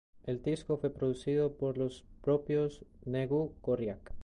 El disco fue producido por los propios Negu Gorriak.